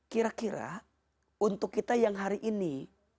kira kira untuk kita yang hari ini